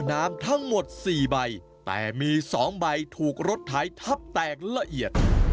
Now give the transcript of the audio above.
มั่วน้ำทั้งหมดสี่ใบแต่มีสองใบถูกรถถ่ายทับแตกละเอียด